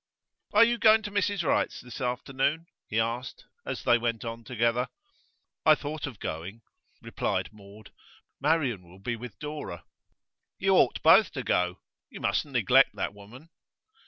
'Are you going to Mrs Wright's this afternoon?' he asked, as they went on together. 'I thought of going,' replied Maud. 'Marian will be with Dora.' 'You ought both to go. You mustn't neglect that woman.